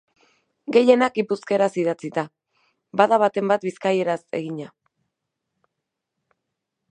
Gehienak gipuzkeraz idatzita, bada baten bat bizkaieraz egina.